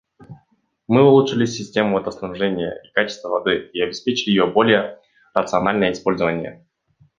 Мы улучшили систему водоснабжения и качество воды и обеспечили ее более рациональное использование.